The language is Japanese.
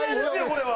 これは。